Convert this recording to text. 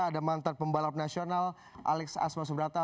ada mantan pembalap nasional alex asma subrata